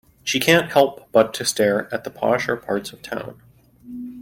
She can't help but to stare at the posher parts of town.